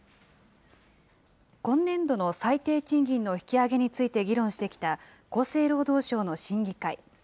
今年度の最低賃金の引き上げについて議論してきた厚生労働省の審議会。